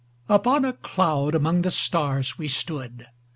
Upon a cloud among the stars we stood.